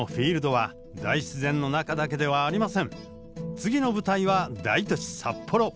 次の舞台は大都市札幌。